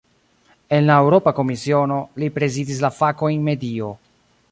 En la Eŭropa Komisiono, li prezidis la fakojn "medio".